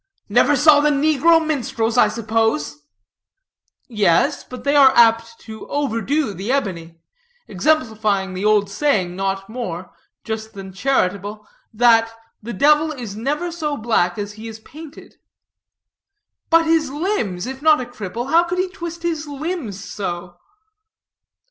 "Never saw the negro minstrels, I suppose?" "Yes, but they are apt to overdo the ebony; exemplifying the old saying, not more just than charitable, that 'the devil is never so black as he is painted.' But his limbs, if not a cripple, how could he twist his limbs so?"